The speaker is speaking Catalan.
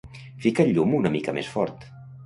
Fica el llum una mica més fort.